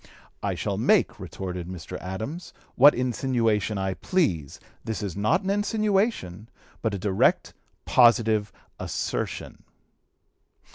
"I shall make," retorted Mr. Adams, "what insinuation I please. This is not an insinuation, but a direct, positive assertion."